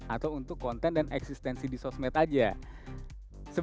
atau untuk konten dan eksistensi di sosmed aja